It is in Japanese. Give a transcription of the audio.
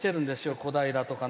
小平とかね。